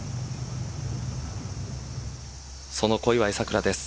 その小祝さくらです。